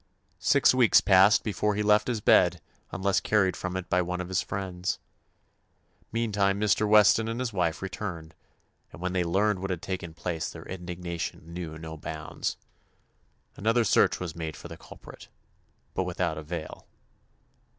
Six weeks passed before he left his bed unless carried from it by one of his friends. Meantime, Mr. Weston and his wife returned, and when they learned what had taken place their indigna tion knew no bounds. Another search was made for the culprit, but without avail.